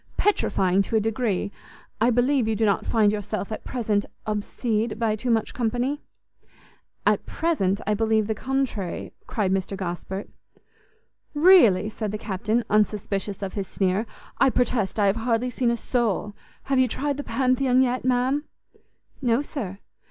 petrifying to a degree! I believe you do not find yourself at present obsede by too much company?" "At present, I believe the contrary!" cried Mr Gosport. "Really!" said the Captain, unsuspicious of his sneer, "I protest I have hardly seen a soul. Have you tried the Pantheon yet, ma'am?" "No, sir."